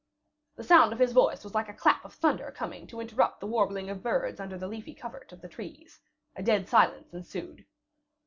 The sound of his voice was like a clap of thunder coming to interrupt the warbling of birds under the leafy covert of the trees; a dead silence ensued.